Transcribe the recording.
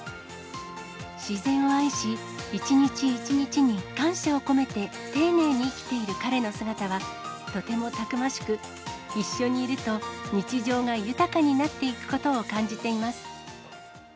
自然を愛し、一日一日に感謝を込めて、丁寧に生きている彼の姿は、とてもたくましく、一緒にいると、日常が豊かになっていくことを感じています。